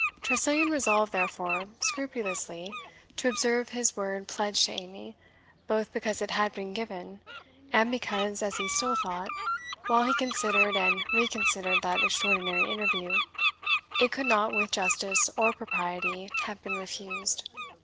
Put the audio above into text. Tressilian resolved, therefore, scrupulously to observe his word pledged to Amy, both because it had been given, and because, as he still thought, while he considered and reconsidered that extraordinary interview, it could not with justice or propriety have been refused.